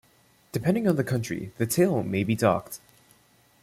Depending on the country, the tail may be docked.